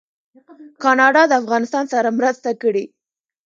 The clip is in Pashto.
کاناډا د افغانستان سره مرسته کړې.